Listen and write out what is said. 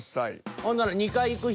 ほんなら。